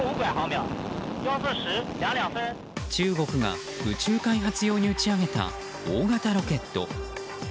中国が宇宙開発用に打ち上げた大型ロケット。